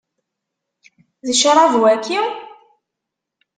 D ccṛab waki?